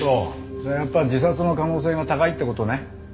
じゃあやっぱり自殺の可能性が高いって事ね。